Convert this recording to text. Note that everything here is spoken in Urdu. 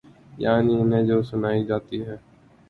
یعنی انہیں جو سنائی جاتی ہے۔